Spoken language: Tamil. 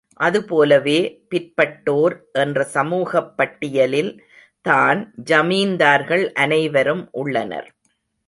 அதுபோலவே, பிற்பட்டோர் என்ற சமூகப் பட்டியலில் தான் ஜமீன்தார்கள் அனைவரும் உள்ளனர்.